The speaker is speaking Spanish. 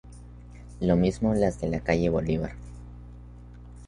Lo mismo las de la calle Bolívar.